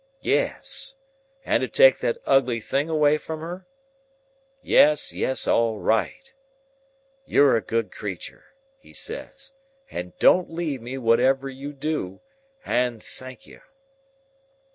'Yes.' 'And to take that ugly thing away from her?' 'Yes, yes, all right.' 'You're a good creetur,' he says, 'don't leave me, whatever you do, and thank you!